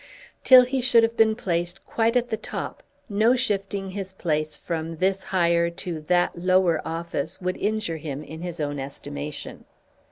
Till he should have been placed quite at the top no shifting his place from this higher to that lower office would injure him in his own estimation.